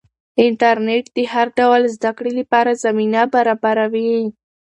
انټرنیټ د هر ډول زده کړې لپاره زمینه برابروي.